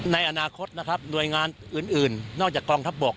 ในอนาคตนะครับหน่วยงานอื่นนอกจากกองทัพบก